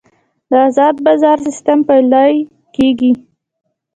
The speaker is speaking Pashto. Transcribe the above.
د ازاد بازار سیستم پلی کیږي